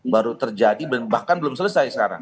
baru terjadi bahkan belum selesai sekarang